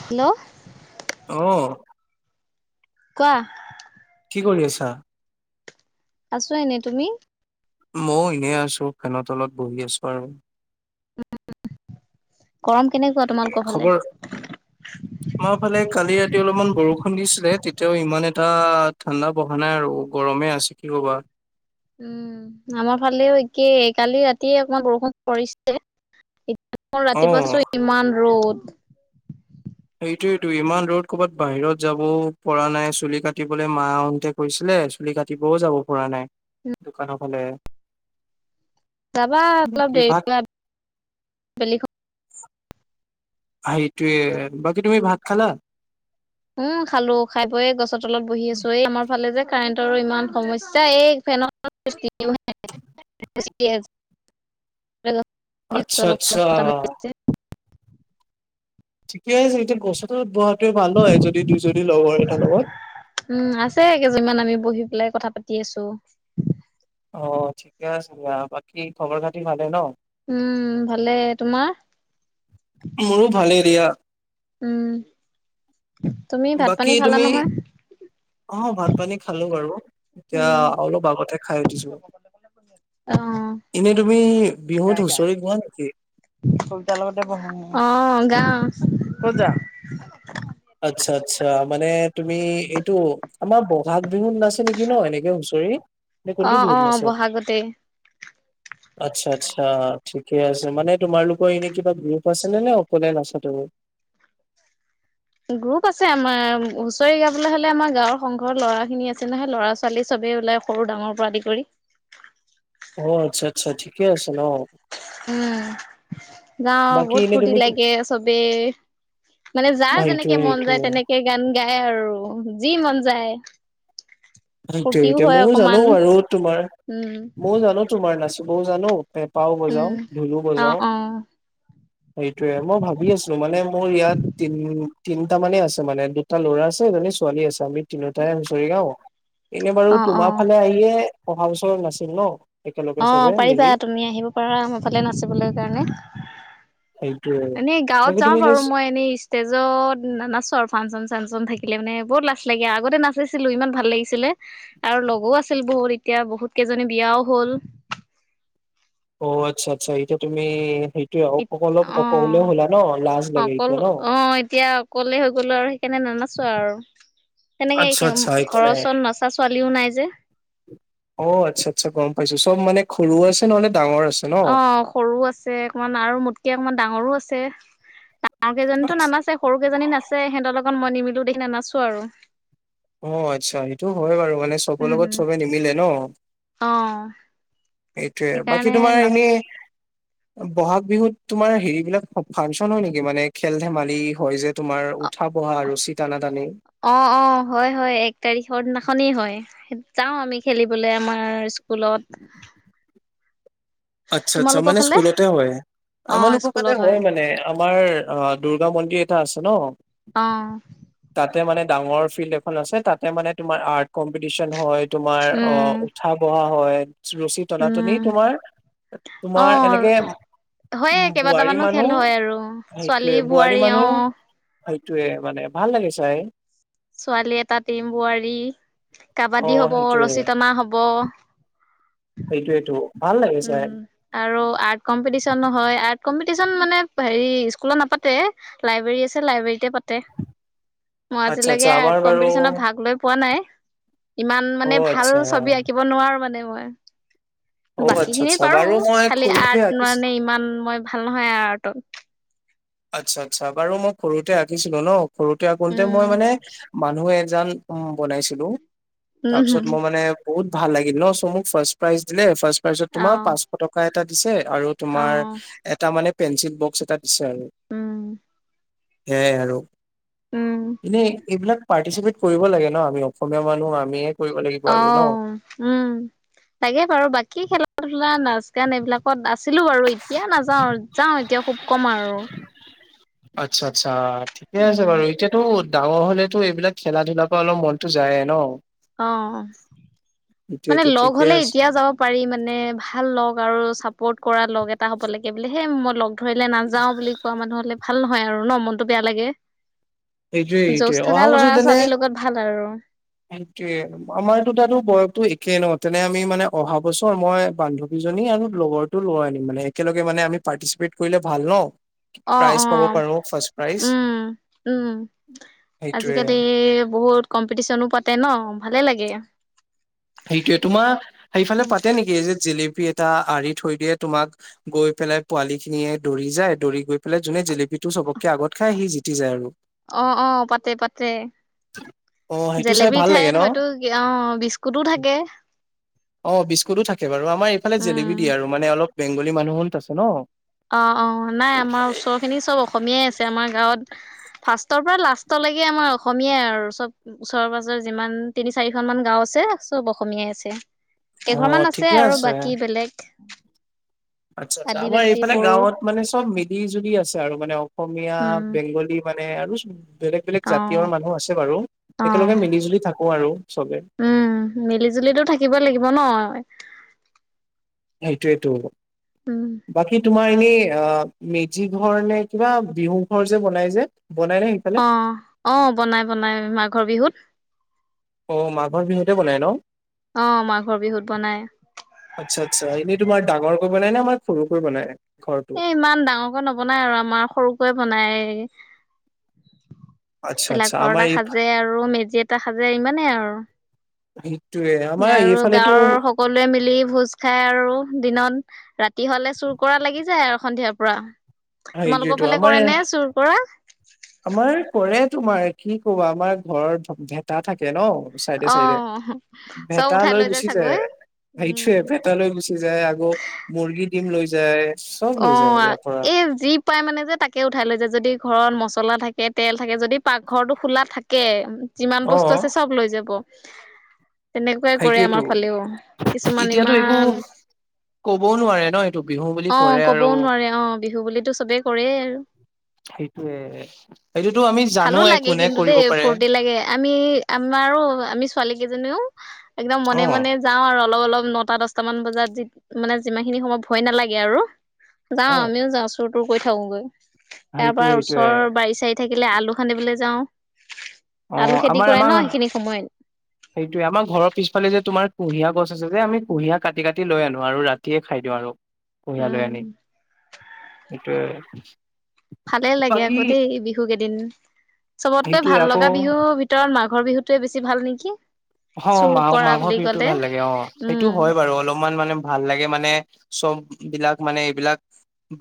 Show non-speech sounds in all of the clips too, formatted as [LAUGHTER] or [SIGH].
Hello অহহ কোৱা কি কৰি আছা? আছো এনে তুমি? ময়ো এনেই আছো, ফেনৰ তলত বহি আছো আৰু। গৰম কেনেকুৱা তোমালোকৰ ফালে? খবৰ আমাৰ ফালে কালি ৰাতি অলপমান বৰষুণ দিছিলে, তেতিয়াও ইমান এটা ঠাণ্ডা বঢ়া নাই আৰু গৰমে আছে। [INAUDIBLE] উম--আমাৰ ফালেও একেই কালি ৰাতিয়ে অকমান বৰষুণ পৰিছে। মোৰ ৰাতিপুৱা অ', চাইছো ইমান ৰ'দ। সেইটোৱেই টো, ইমান ৰ'দ কৰ'বাত বাহিৰত যাব ও পৰা নাই, চুলি কাটিবলৈ মা আহতে কৈছিলে। চুলি কাটিবও যাব পৰা নাই, দোকানৰ ফালে। যাবা অলপ বাকী ভাত দেৰীকৈ আবেলি সময়ত। সেইটোৱেই, বাকী তুমি ভাত খালা? উম খালো খাই-বৈ গছৰ তলত বহি আছো, এই আমাৰ ফালে যে কাৰেণ্টৰো ইমান সমস্যা এই ফেনৰ অলপ আচ্ছা অলপ আচ্ছা। বতাহ মাৰি আছে। ঠিকে আছে এতিয়া গছৰ তলত বহ। ভাল হয় যদি দুই যদি লগৰ এটাৰ লগত। উম আছে কেইজনীমান আমি বহি পেলাই কথা পাতি আছো। অহ ঠিকে আছে দিয়া, বাকী খবৰ খাতি ভালে ন? উম ভালে তোমাৰ? এইয়া উম তুমি ভাত পানী বাকী খালা তুমি, নহয় অ ভাত পানী খালো বাৰু। এতিয়া উম অলপ আগতে খাই উঠিছো। অ এনেই তুমি বিহুত হুঁচৰি গোৱা নেকি? অহহ গাৱ। আচ্ছা আচ্ছা মানে তুমি এইটো, আমাৰ ব'হাগ বিহুত নেকি ন এনেকে হুঁচৰি নে কোনটো অ' বিহুত অ' নাছে? বহাগতেই। আত্ছা আচ্ছা। ঠিকে আছে, মানে তোমালোকৰ এনে কিবা গ্ৰুপ আছে নে, নে অকলে নাচা তুমি। [INAUDIBLE] গ্ৰুপ আছে আমাৰ, হুঁচৰি গাবলৈ হ'লে আমাৰ গাঁওৰ সংঘৰ ল'ৰা খিনি আছে নহয় ল'ৰা ছোৱালী চবেই সৰু ডাঙৰ পৰা আদি কৰি। অ আচ্ছা আচ্ছা ঠিকে আছে ন। উম গাওঁ বাকী বহুত এনে ফুটি তুমি লাগে চবে। মানে যাৰ যেনেকে সেইটোয়ে মন যায়, সেইটোয়ে তেনেকে গান গায় আৰু যি মন যায়। সেইটোৱে ফূৰ্তিও সেইটোৱে, হয় ময়ও জানো অকমান আৰু তোমাৰ উম, ময়ও জানো তোমাৰ নাচো ময়ও জানো। পেঁপাও বজাওঁ উম। ঢোল‌ও অ' বজাওঁ। অ' সেইটোয়ে মই ভাবি আছো মানে মোৰ ইয়াত তিন তিনটা মানে আছে মানে দুটা ল'ৰা আছে। আছে, এজনি ছোৱালী আছে আমি তিনোতাই হুঁচৰি গাওঁ, এনে বাৰু অ' তোমাৰ অ' ফালে আহিয়ে অহা বছৰ নাছিম ন! একেলগে অ চবে মিলি পাৰিবা তুমি আহিব পাৰা মোৰফালে নাচিবলৈ কাৰণে সেইটোয়ে এনেই গাঁৱত বাকী তুমি যাওঁ এনে বাৰু মই এনেই ষ্টেজত নাচো আৰু ফাংচন ফানচন থাকিলে মানে বহুত লাজ লাগে আগতে নাচিছিলো ইমান ভাল লাগিছিলে, আৰু লগোও আছিল বহুত এতিয়া এতিয়া বহুত কেইজনী বিয়াও হ'ল। অ আচ্ছা আচ্ছা এতিয়া তুমি সেইটোয়ে অ অলপ অ অকলেও হ'লা ন লাজ লাগে অকল এতিয়া ন অ এতিয়া অকলে হৈ গ'লো আৰু সেইকাৰণে ন ন আৰু, তেনেকে এই আচ্ছা আচ্ছা একো ঘৰৰ নাই ওচৰত নচা ছোৱালীও নাই যে। অ আচ্ছা আচ্ছা গম পাইছো চব মানে ঘৰো আছে নহলে ডাঙৰ আছে ন অ সৰুও আছে অকমান আৰু মোটকে অকমান ডাঙৰো আছে। ডাঙৰ কেইজনীতো নানাছে সৰু কেইজনী নাে সিহঁতৰ লগত মই নিমিলো দেখি নানাচো আৰু। অ আচ্ছা সেইটো হয় বাৰু মানে চবৰ উম লগত উম চবে নিমিলে ন অ হেইটোয়ে। বাকী সেইকাৰণে তোমাৰ নাচ এনেই ব'হাগ বিহুত তোমাৰ হেৰি বিলাক ফাংচন হয় নেকি মানে খেল ধেমালি হয় যে তোমাৰ উঠাবহা আৰু ৰচি টনাটানি। অ', অ', হয়, হয় এক তাৰিখৰ দিনাখনেই হয় যাও আমি খেলিবলে আমাৰ স্কুলত। আচ্ছা আচ্ছা তোমালোকৰ মানে ফালে? স্কুলতে হয়। অ', আমালোকৰ মানে স্কুলত হয় মানে আমাৰ দুূৰ্গা মন্দিৰ এটা আছে ন। অ তাতে মানে ডাঙৰ ফিল্ড এখন আছে তাতে মানে তোমাৰ আৰ্ট কম্পিটিচন হয়। তোমাৰ অ উম, উঠা বহা হয়, ৰচী তনাতনি উম। তোমা, তোমাৰ অ', এনেকে হয়ে উম বোৱাৰী কেইবাটামানো খেল মানুহ হয় আৰু ছোৱালী সেইটোয়ে বোৱাৰী মানুহ অ'। সেইটোয়ে মানে ভাল লাগে চাই। ছোৱালী এটা টিম, বোৱাৰী, অ কাবাডী হব, সেইটোয়ে ৰছী টনা হব। সেইটোৱেটো। উম আৰু আৰ্ট কম্পিটিচনো হয় আৰ্ট কম্পিটিচন মানে হেৰি স্কুলত নাপাতে, লাইব্ৰেৰী আছে লাইব্ৰেৰীতে পাতে। মই আচ্ছা আচ্ছা আজিলৈকে আমাৰ আৰ্ট বাৰু কম্পিটিচনত ভাগ লৈ পোৱা নাই। ইমান অ মানে ভাল আচ্ছা ছবি আঁকিব নোৱাৰো মানে মই। অ বাকী আচ্ছা খিনি আচ্ছা পাৰো বাৰু মই খালি সৰুতে আৰ্ট আঁকিছিলো মানে ইমান মই ভাল নহয় আৰ্টত। আচ্ছা আচ্ছা বাৰু মই সৰুতে আঁকিছিলো ন, সৰুতে আঁকোতে মই উম, মানে মানুহে জান বনাইছিলো। তাৰপিছত উম, মই মানে বহুত ভাল লাগিল ন, চ মোক ফাষ্ট প্ৰাইজ দিলে ফাৰ্ষ্ট প্ৰাইজত তোমাৰ অ', পাঁচশ টকা এটা দিছে। আৰু তোমাৰ অ', এটা মানে পেঞ্চিল বক্স এটা দিছে আৰু। উম সেয়াই আৰু উম। এনেই এইবিলাক, পাৰ্টিচিপেট কৰিব লাগে ন, আমি অসমীয়া মানুহ আমি অ উম, লাগে বাৰু বাকী খেলা ধূলা নাচ ন এইবিলাকত আছিলো বাৰু এতিয়া নাযাওঁ, যাওঁ এতিয়া খুব কম আৰু আচ্ছা আচ্ছা ঠিকে আছে উম, বাৰু এতিয়াতো, ডাঙৰ হলেতো এইবিলাক খেলা ধূলাৰ পৰা অলপ মনতো যায় ন, আহ। মানে এইটোয়েটো লগ ঠিকে হ'লে আছে এতিয়া যাব পাৰি মানে ভাল লগ আৰু চাপৰ্ট কৰা লগ এটা হ'ব লাগে, বোলে সেই মই লগ ধৰিলে নাযাওঁ বুলি কোৱা মানুহ হলে ভাল নহয় আৰু ন মনতটো বেয়া লাগে। এইটোয়ে এইটোয়ে যৌজ অহা থকা বছৰ ল'ৰা তেনে ছোৱালীৰ লগত ভাল আৰু সেইটোয়ে আমাৰতো তাতো বয়সতো একেই ন তেনে আমি মানে অহা বছৰ মই বান্ধৱীজন মি আৰু লগৰটো ল'ই আনিম মানে একেলগে মানে আমি পাৰ্টিচিপেট কৰিলে ভাল ন? অ প্ৰাইজ অ পাব পাৰো ফাৰ্ষ্ট প্ৰাইজ উম উম। সেইটোয়ে আজিকালি বহুত কম্পিটিশনো পাতে ন ভালে লাগে। সেইটোয়ে তোমাৰ সেইফালে পাতে নেকি এই যে জলেপী পি এটা আৰি থৈ দিয়ে তোমাক গৈ পেলাই পোৱালি খিনিয়ে দৌৰি যায় দৌৰি গৈ পেলাই যোনে জেপি সিটো চবতকে আগত খাই সি জিতি যায় আৰু অ অ পাতে পাতে অ সেইটো চাই জেলেবিৰ ভাল লাগে ন ঠাইত হয়তো অ বিচ ক'তো থাকে, অ বিস্কুতো থাকে বাৰু, আমাৰ এইফালে উম, জেলেপী দিয়ে আৰু মানে অলপ বেংগলী মানুহো আছে ন। অ অ নাই আমাৰ ওচৰ খিনি চব অসমীয়াই আছে। আমাৰ গাঁৱত ফাৰ্ষ্টৰ পৰা লাষ্টলৈকে আমাৰ অসমীয়াই আৰু চব ওচৰ পাজৰে যিমান তিনি চাৰিখন মান গাঁও আছে চব অসমীয়াই আছে অ কেইঘৰমান আছে ঠিকে আৰু বাকী বেলেগ। আচ্ছা আচ্ছা আমাৰ আদিবাসী এইফালে বড়ো গাঁৱত মানে চব মিলি- জুলি আছে আৰু মানে অসমীয়া, উম, বেংগলী, মানে আৰু বেলেগ বেলেগ জাতিয়ৰ অ', মানুহ আছে বাৰু অ'। একেলগে মিলি জুলি থাকো আৰু চবে উম মিলি জুলিতো থাকিব'ই লাগিব ন? সেইটোৱেতটো উম বাকী তোমাৰ এনেই অ মেজি ঘৰ নে কিবা বিহু ঘৰ যে বনাই যে? বনাই নে সেইফালে অ অ বনাই বনাই মাঘৰ বিহুত। অ মাঘৰ বিহুতে বনাই ন? অ মাঘৰ বিহুত বনাই আচ্ছা আচ্ছা এনেই তোমাৰ ডাঙৰকৈ বনাই না আমাৰ সৰুকৈ বনাই? ঘৰটো এ ইমান ডাঙৰকে নবনায় আৰু আমাৰ সৰুকৈয়ে বনাই আচ্ছা আচ্ছা ভেলাঘৰ আমাৰ এটা এই সাজে আৰু মেজি এটা খাজে ইমানেই আৰু সেইটোয়ে আমাৰ আৰু এইফালেতো গাঁৱৰ সকলোৱে মিলি ভোজ খাই আৰু দিনত ৰাতি ৰাতি হলে চুৰ কৰা লাগি যায় আৰু সন্ধিয়াৰ পৰা তোমালোকৰ সেইটোএটো ফালে আমাৰ কৰে নে চুৰ কৰা আমাৰ কৰে তোমাৰ কি কব আমাৰ ঘৰত ভেটা থাকে ন? চাইডে অ চাইডে চব ভেটা উঠাই লৈ গুচি যায় চাগৈ সেইটোয়ে উম পেটালৈ গুচি যায় আগৌ মুৰ্গী দিম লৈ য অ এই যি পায় মানে যে তাকে উঠাই লৈ যায় যদি ঘৰত মছলা থাকে, তেল থাকে, যদি পাকঘৰটো খোলা থাকে যিমান অ বস্তু আছে চব লৈ যাব। তেনেকুৱাই কৰে সেইটোয়েতো আমাৰ ফালেও। কিছুমান এতিয়াতো একো ইমান ক'বও নোৱাৰে ন' এইটো বিহু বুলি অহ, কৰে আৰু ক'বও নোৱাৰে অহ বিহু বুলিতো চবেই কৰেই আৰু। [INAUDIBLE] সেইটোয়ে সেইটোতো আমি ভালো জানোৱে লাগে কোনে কিন্তু কৰিব দেই পাৰে ফূৰ্তি লাগে আমি আমাৰ আৰু আমি ছোৱালী কেইজনীও একদম অ মনে- মনে যাওঁ আৰু অলপ- অলপ নটা -দছটা মান বজাত যি মানে যিমান খিনি সময় ভয় নালাগে আৰু যাও অ আমিও যাও চুৰ- তুৰ কৰি থাকোগৈ তাৰ সেইটোয়ে পৰা সেইটোয়ে ওচৰ বাৰি -চাৰি থাকি কিলে আলু খান্দিবলৈ যাওঁ। অহ, আলু খেতি আমাৰ কৰে ন -আমাৰ সেইখিনি সময়ত সেইটোয়ে আমাৰ ঘৰৰ পিছফালে যে তোমাৰ কুঁহিয়া গছ আছে যে আমি কুহিয়া কাটি -কাটি লৈ আনো আৰু ৰাতিয়ে খাই দিওঁ আৰু। কুঁহিয়াৰ লৈ উম আনি সেইটোৱে। ভালে লাগে আকৌ দেই বিহু কেইদিন চবতকৈ সেইটোয়ে ভাল আকৌ লগা বিহুৰ ভিতৰত মা মাঘৰ বিহুটোৱে বেছি ভাল নেকি? অহ, চুৰ মা - কৰা মাঘৰ বুলি বিহুতো ক'লে ভাল লাগে অহ সেইটো উম হয় বাৰু অলপমান মানে ভাল লাগে মানে চব বিলাক মানে এইবিলাক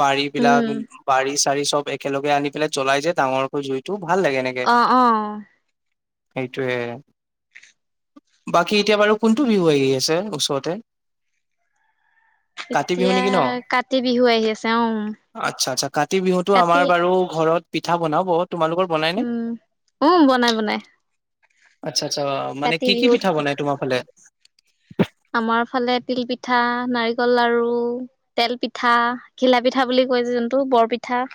বাৰী বিলাক, উম বাৰী বাৰি চব একেলগে আনি পেলাই জ্বলাই যে ডাঙৰকৈ জুইটো অ', - অ', সেইটোৱে। বাকী এতিয়া বাৰু কোনটো বিহু আহি আছে ওচৰতে কাতি বিহু এতিয়া নেকি ন কাতি বিহু আহি আছে উম। আচ্ছা আচ্ছা কাতি বিহুটো আমাৰ বাৰু ঘৰত পিঠা বনাব তোমালোকৰ বনাই নে উম- উম, বনাই -বনাই। আচ্ছা- আচ্ছা মানে কাতি কি- কি বিহুত পিঠা বনাই তোমাৰ ফালে? আমাৰ ফালে তিল -পিঠা, নাৰিকল লাৰু, তেল পিঠা, ঘিলা- পিঠা বুলি কয় যোনটো বৰপিঠা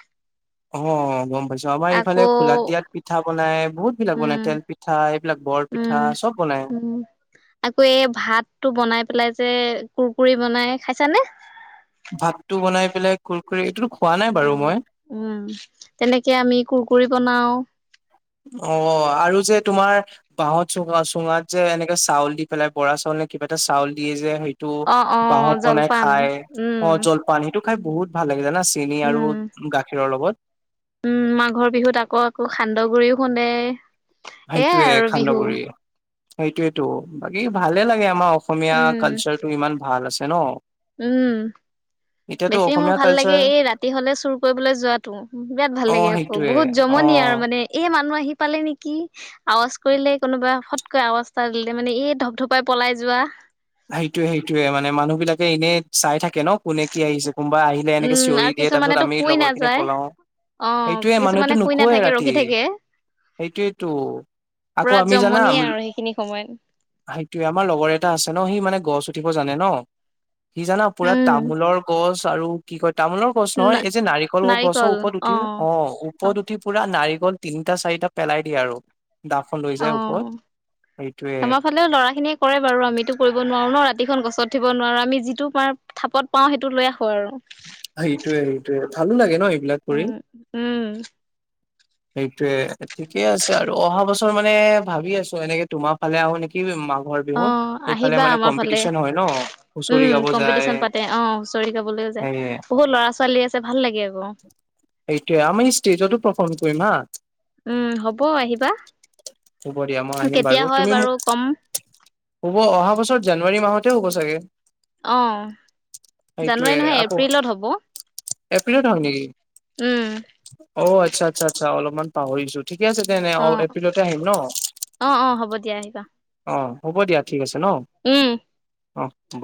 অহ, গম যোৱাবাৰ এইফালে আকৌ খোলাত দিয়াত পিঠা বনাই বহুত বিলাক বনাই উম তেল -পিঠা এইবিলাক বৰ উম -পিঠা চব বন উম, আকৌ এই ভাতটো বনাই পেলাই যে কুৰকুৰি বনাই খাইছা নে? ভাতটো বনাই পেলাই কুৰকুৰি টো অহ, উম তেনেকে আমি কুৰকুৰি বনাও অহ, আৰু যে তোমাৰ বাহত চুঙা - চুঙাত যে এনেকে চাউল দি পেলাই বৰা চাউল কিবা এটা চাউল দিয়ে যে সেইটো অ', অ', বাহত বনাই জলপান। খাই উম, অহ জলপান সেইটো খাই বহুত ভাল লাগি জানা চেনি আৰু উম, গাখীৰৰ লগত উম, মাঘৰ বিহুত আকৌ -আকৌ সান্দহ গুৰিও শুন্দে। সেইটোৱে খান্দহগুৰি। সেইটোৱেতো বাকী ভালে লাগে আমাৰ অসমীয়া উম, কালচাৰটো ইমান ভাল আছে ন'। উম এতিয়াতো বেছি মোৰ অসমীয়া ভাল লাগে কালচাৰ এই ৰাতি হলে চুৰ কৰিবলৈ যোৱাটো বিৰাট ভাল অ লাগে আকৌ সেইটোয়ে বহুত অ জমনি নি আৰু মানে এই মান নো আহি পালে নেকি আৱাজ কৰিলে কোনোবা ফটকৈ আৱাজ টা দিলে মানে এই ধপ -ধপাই পলাই যোৱা যোৱাহ সেইটোয়ে -সেইটোয়ে মানে মানুহ বিলাকে এনেই চাই থাকে কে ন' কোনে কি আহিছে কোনোবা আহিলে এনেকে উম, চিঞৰি আৰু দিয়ে তাৰ পিছত কিছুমানেতো আমি শুই লগৰ খিনি নাযায় পলাও। অ এইেটোয়ে মানুহতো কিছুমানে শুই নুশুৱেই নাথাকে ৰাতি ৰখি থাকে সেইটোয়েইটো। আকৌ পুৰা আমি জানাম জমনিয়ে আৰু সেইখিনি সময়ত [INAUDIBLE] সেইটোয়ে আমাৰ লগৰ এটা আছে ন' সি মানে গছ উঠিব জানে ন' সি জনা পুৰা উম তামোলৰ গছ আৰু কি কয় তামোলৰ গছ ন নহয় এই যে নাৰিকলৰ গছৰ নাৰিকল ওপৰত অ উঠিল অহ অ ওপৰত উঠি পুৰা নাৰি গল তিনিটা চাৰিটা পেলাই দিয়ে আৰু। দাখন লৈ অ যায় ওপৰত সেইটোয়ে আমাৰ ফালেও ল'ৰা খিনিয়ে কৰে বাৰু আমিতো কৰিব। ব নোৱাৰো ন ৰাতিখন গছত উঠিব নোৱাৰো আমি যিটো আমাৰ থাপত পাওঁ সেইটো লৈ আহু। ক আৰু সেইটোয়ে সেইটোয়ে ভালো লাগে ন এইবিলাক কৰি উম উম। সেইটোয়ে ঠিকে আছে আৰু অহা বছৰ মানে ভাবি আছো এনেকে তোমাৰ ফালে আহো নেকি মা। অ আহিবা আমাৰ ফালে হয় ন হুঁচৰি উম গাব যায় কম্পিটিচন পাতে অ হুঁচৰি গাবলৈ। সেয়ে বহুত ল'ৰা ছোৱালী আছে ভাল লাগে আকৌ। এইটোৱেই আমি ষ্টেজতো পাৰফৰ্ম কৰিম হা। উম হ'ব আহিবা। হ'ব দিয়া মই আহিম কেতিয়া হয় বাৰু কম। অ অহা বছৰত জানুৱাৰী মাহতে হ'ব চাগে। অ সেইটোয়ে জানুৱাৰী নহয় আকৌ এপ্ৰিলত হ'ব। এপ্ৰিলত হয় নিকি? উম। অ আচ্ছা আচ্ছা আচ্ছ অলপমান পাহৰিছো ঠিক আছে তেনে অ এপ্ৰিলত। আহিম ন অ', অ', হ'ব দিয়া আহিবা অ হ'ব দিয়া ঠিক আছে। ন উম। অ হব।